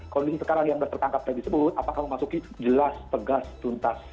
kondisi sekarang yang sudah tertangkap tadi sebut apakah memasuki jelas tegas tuntas